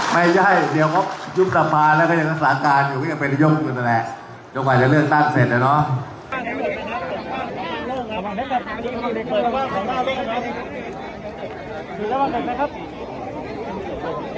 ไม่ใช่เดี๋ยวก็ยุคตามบานและยังผู้สำหรัสการ